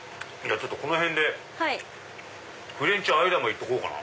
この辺でフレンチ和玉いっとこうかな。